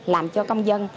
làm cho công dân